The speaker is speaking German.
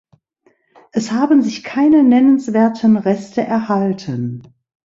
Es haben sich keine nennenswerten Reste erhalten.